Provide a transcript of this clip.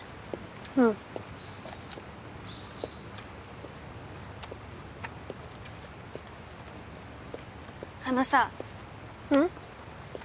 うんあのさうん？